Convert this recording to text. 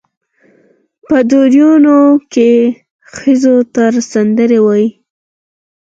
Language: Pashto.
په ودونو کې ښځو ته سندرې وایي.